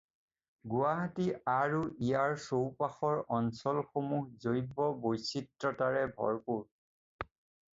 গুৱাহাটী আৰু ইয়াৰ চৌপাশৰ অঞ্চলসমূহ জৈৱ বৈচিত্ৰতাৰে ভৰপূৰ।